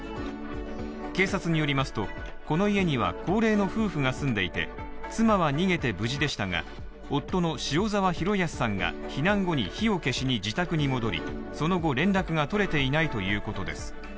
警察によりますと、この家には高齢の夫婦が住んでいて妻は逃げて無事でしたが夫の塩沢浩靖さんが火を消しに自宅に戻り、その後、連絡が取れていないということです。